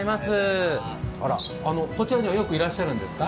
こちらにはよくいらっしゃるんですか？